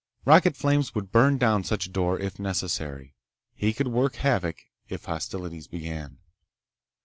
Rocket flames would burn down such a door, if necessary. He could work havoc if hostilities began.